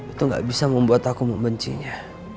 itu gak bisa membuat aku membencinya